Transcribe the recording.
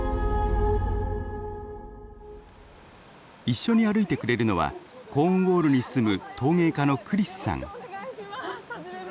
一緒に歩いてくれるのはコーンウォールに住む陶芸家のクリスさん。